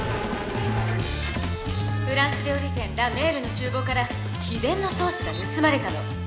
フランス料理店「ラ・メール」のちゅうぼうから秘伝のソースが盗まれたの。